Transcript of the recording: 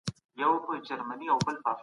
دا ځای ارام دی